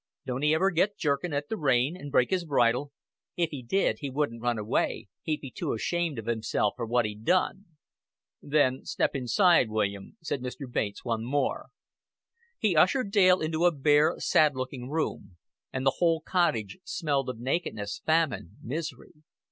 "Don't he ever get jerking at the rein, and break his bridle?" "If he did he wouldn't run away. He'd be too ashamed of himself for what he'd done." "Then step inside, William," said Mr. Bates once more. He ushered Dale into a bare, sad looking room; and the whole cottage smelled of nakedness, famine, misery.